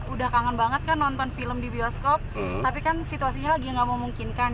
udah kangen banget kan nonton film di bioskop tapi kan situasinya lagi gak memungkinkan